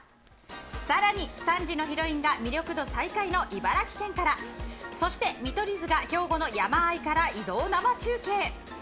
さらに３時のヒロインが魅力度最下位の茨城県から、そして見取り図が兵庫の山あいから移動生中継。